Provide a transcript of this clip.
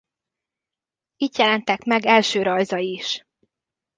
Itt jelentek meg első rajzai is.